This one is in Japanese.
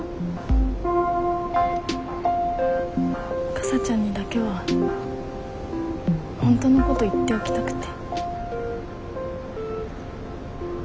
かさちゃんにだけは本当のこと言っておきたくて。